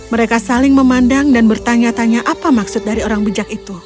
mereka saling memandang dan bertanya tanya apa maksud dari orang bijak itu